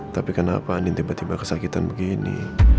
tapi kenapa andin tiba tiba kesakitan begini